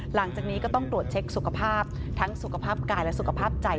หลังจากนี้ก็ต้องตรวจเช็คสุขภาพทั้งสุขภาพกายและสุขภาพใจ